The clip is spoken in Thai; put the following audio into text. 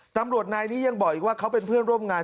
ตำรวจนายนี้ยังบอกอีกว่าเขาเป็นเพื่อนร่วมงาน